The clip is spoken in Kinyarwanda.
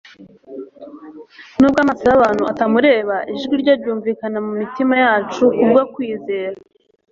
Nubwo amaso y'abantu atamureba ijwi rye ryumvikana mu mitima yacu kubwo kwizera,